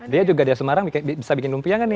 dia juga di asmarang bisa bikin lumpia gak nih